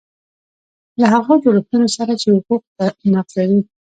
له هغو جوړښتونو سره چې حقوق نقضوي.